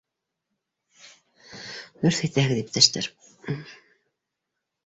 — Дөрөҫ әйтәһегеҙ, иптәштәр.